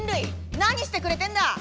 何してくれてんだ！